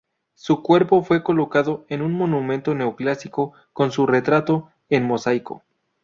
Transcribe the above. Su cuerpo fue colocado en un monumento neoclásico con su retrato en mosaico.